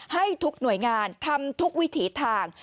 ให้ทุกหน่วยงานทำทุกวิถีทาง